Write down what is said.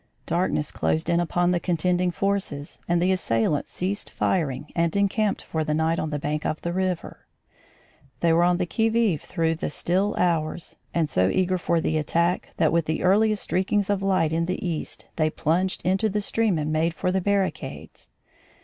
Darkness closed in upon the contending forces, and the assailants ceased firing and encamped for the night on the bank of the river. They were on the qui vive through the still hours, and so eager for the attack that with the earliest streakings of light in the east, they plunged into the stream and made for the barricades.